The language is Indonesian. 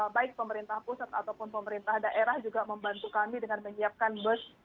baik pemerintah pusat ataupun pemerintah daerah juga membantu kami dengan menyiapkan bus